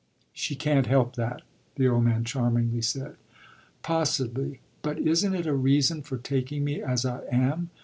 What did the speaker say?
"She can't help that!" the old man charmingly said. "Possibly. But isn't it a reason for taking me as I am?